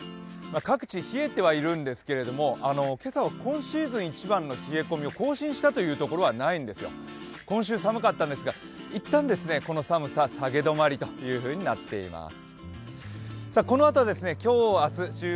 各地冷えてはいるんですが、今朝は今シーズン一番の冷え込みを更新したという所はないんですよ、今週は寒かったんですが一旦この寒さ、下げ止まりというふうになっています。